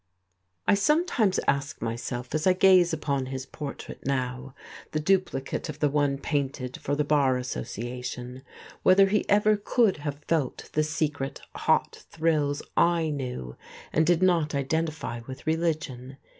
I sometimes ask myself, as I gaze upon his portrait now, the duplicate of the one painted for the Bar Association, whether he ever could have felt the secret, hot thrills I knew and did not identify with religion.